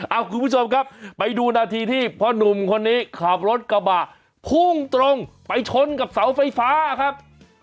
เอาคุณผู้ชมครับไปดูนาทีที่พ่อหนุ่มคนนี้ขับรถกระบะพุ่งตรงไปชนกับเสาไฟฟ้าครับ